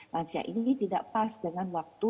lansia ini tidak pas dengan waktu